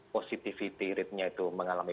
positivity ratenya itu mengalami